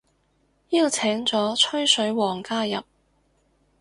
邀請咗吹水王加入